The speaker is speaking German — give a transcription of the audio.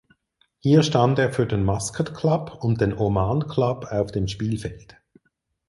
Hier stand er für den Muscat Club und den Oman Club auf dem Spielfeld.